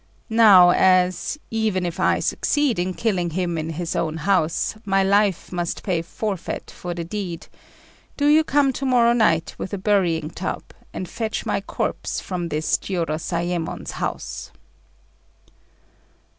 Now as, even if I succeed in killing him in his own house, my life must pay forfeit for the deed, do you come to morrow night with a burying tub, and fetch my corpse from this Jiurozayémon's house."